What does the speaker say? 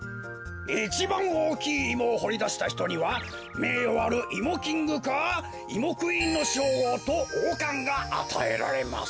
いちばんおおきいイモをほりだしたひとにはめいよあるイモキングかイモクイーンのしょうごうとおうかんがあたえられます。